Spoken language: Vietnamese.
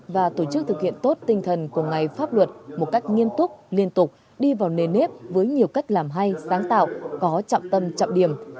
và tổ chức thực hiện tốt tinh thần của ngày pháp luật một cách nghiêm túc liên tục đi vào nền nếp với nhiều cách làm hay sáng tạo có trọng tâm trọng điểm